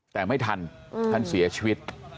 แต่ไม่ทันท่านเสียชีวิต